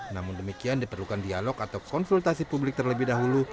namun demikian diperlukan dialog atau konsultasi publik terlebih dahulu